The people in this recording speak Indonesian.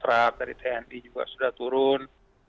terus terat dari tni juga sudah turun